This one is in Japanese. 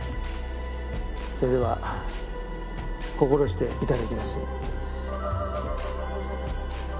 それでは心して頂きます。